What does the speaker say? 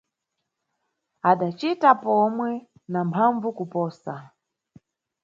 – Adacita pomwe, na mphambvu kuposa.